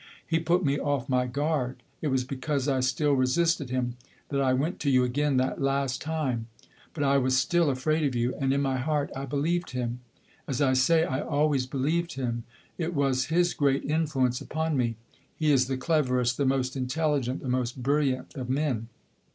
He put me off my guard. It was because I still resisted him that I went to you again, that last time. But I was still afraid of you, and in my heart I believed him. As I say, I always believed him; it was his great influence upon me. He is the cleverest, the most intelligent, the most brilliant of men.